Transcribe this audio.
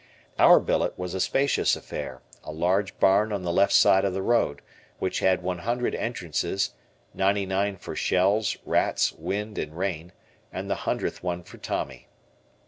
Our billet was a spacious affair, a large barn on the left side of the road, which had one hundred entrances, ninety nine for shells, rats, wind, and rain, and the hundredth one for Tommy.